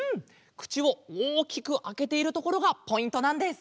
くちをおおきくあけているところがポイントなんです！